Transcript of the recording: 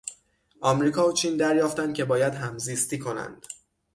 امریکا و چین دریافتند که باید همزیستی کنند.